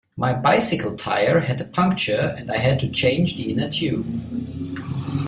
My bicycle tyre had a puncture, and I had to change the inner tube